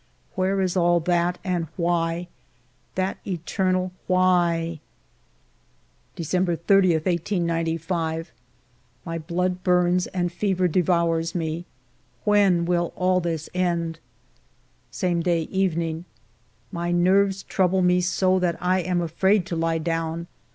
Where is all that, and why ?— that eternal why ! December 20, 1895. My blood burns, and fever devours me. When will all this end ? Same day, evening. My nerves trouble me so that I am afraid to lie down.